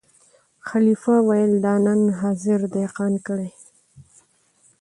خلیفه ویل دا نن حاضر دهقان کړی